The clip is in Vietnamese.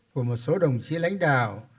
của một số đồng chí lãnh đạo